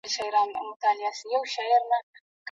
زه به نن ماښام د وچو مېوو یوه کڅوړه واخلم.